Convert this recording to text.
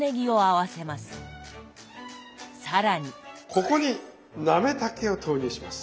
ここになめたけを投入します。